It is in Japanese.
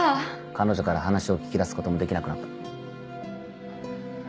彼女から話を聞き出すこともできなくなった。